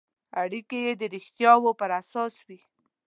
اړیکې یې د رښتیاوو پر اساس وي.